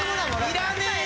いらねえよ！